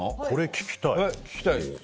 これ聞きたい。